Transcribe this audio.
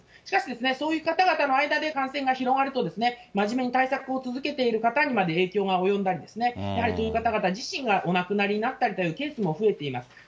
しかし、そういう方々の間で感染が広がると、真面目に対策を続けている方にまで影響が及んだり、やはりそういう方々自身がお亡くなりになったりというケースも増えています。